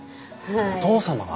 お父様が？